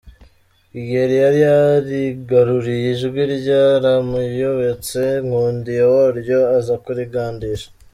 Kigeli yari yarigaruriye Ijwi ryaramuyobotse, Nkundiye waryo aza kurigandisha.